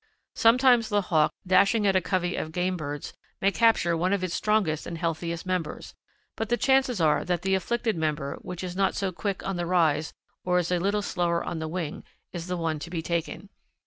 Sometimes the Hawk, dashing at a covey of game birds, may capture one of its strongest and healthiest members, but the chances are that the afflicted member, which is not so quick on the rise or is a little slower on the wing, is the one to be taken.